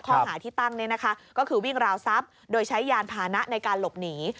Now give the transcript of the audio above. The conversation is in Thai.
ข้อหาที่ตั้งก็คือวิ่งราวทรัพย์โดยใช้ยานพานะในการหลบหนี